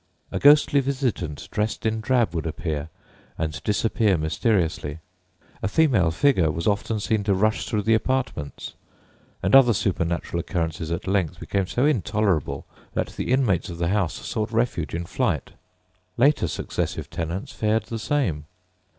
A ghostly visitant dressed in drab would appear and disappear mysteriously, a female figure was often seen to rush through the apartments, and other supernatural occurrences at length became so intolerable that the inmates of the house sought refuge in flight. Later successive tenants fared the same.